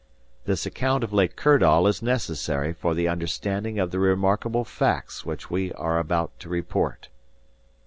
"This account of Lake Kirdall is necessary for the understanding of the remarkable facts which we are about to report."